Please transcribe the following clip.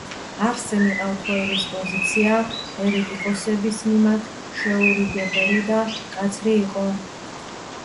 არსენ იყალთოელის პოზიცია ერეტიკოსების მიმართ შეურიგებელი და მკაცრი იყო.